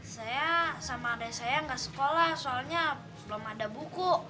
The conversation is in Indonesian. saya sama adik saya nggak sekolah soalnya belum ada buku